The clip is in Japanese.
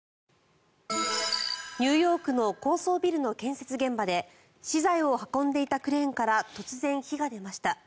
ニューヨークの高層ビルの建設現場で資材を運んでいたクレーンから突然、火が出ました。